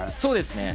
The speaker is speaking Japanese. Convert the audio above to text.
そうです。